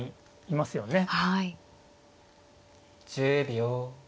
１０秒。